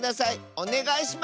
おねがいします！